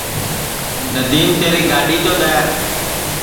ندیم تیری گاڈؔی تو دؔے